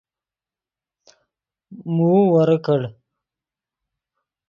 موؤ ورے کڑ